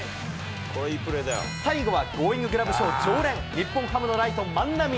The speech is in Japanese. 最後はゴーインググラブ賞常連、日本ハムのライト、万波。